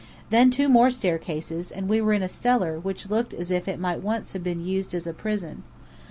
Then two more staircases, and we were in a cellar which looked as if it might once have been used as a prison.